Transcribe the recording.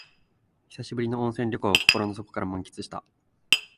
久しぶりの温泉旅行を心の底から満喫した